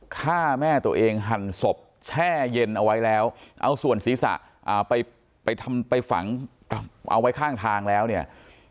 ฆ่าแม่ตัวเองหั่นศพแช่เย็นเอาไว้แล้วเอาส่วนศีรษะไปทำไปฝังเอาไว้ข้างทางแล้วเนี่ย